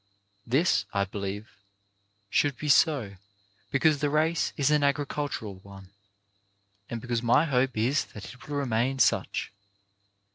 This, I believe, should be so because the race is an agricultural one, and because my hope is that it will remain such.